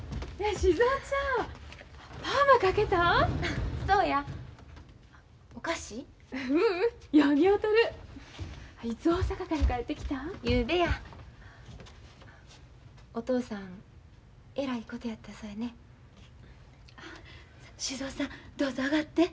静尾さんどうぞ上がって。